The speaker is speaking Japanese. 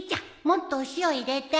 もっとお塩入れて。